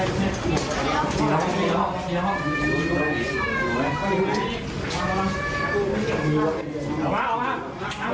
เคเคไอ้คนนี้ด้วยไอ้คนนี้ไปด้วยนี่ไอ้คนนี้ด้วย